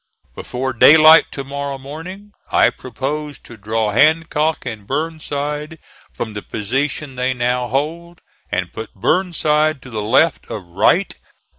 Before daylight to morrow morning I propose to draw Hancock and Burnside from the position they now hold, and put Burnside to the left of Wright.